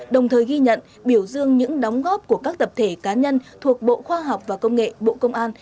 đồng thời ghi nhận biểu dương những đóng góp của các tập thể cá nhân thuộc bộ khoa học và công nghệ bộ công an